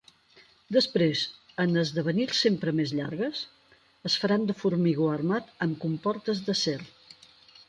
Després, en esdevenir sempre més llargues, es faran de formigó armat amb comportes d'acer.